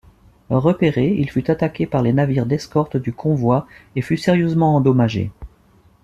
Repéré, il fut attaqué par les navires d'escorte du convoi et fut sérieusement endommagé.